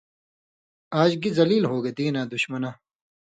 آج گی ذلیل ہوگے دِیناں دُشمنہ